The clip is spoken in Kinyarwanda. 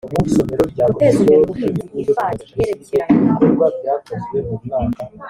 guteza imbere ubuhinzi ifad yerekeranye